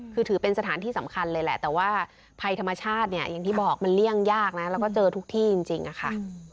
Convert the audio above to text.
คือถือเป็นสถานที่สำคัญเลยแหละแต่ว่าภัยธรรมชาติเนี่ยอย่างที่บอกมันเลี่ยงยากนะแล้วก็เจอทุกที่จริงอะค่ะ